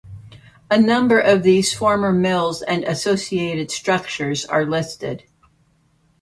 A number of these former mills and associated structures are listed.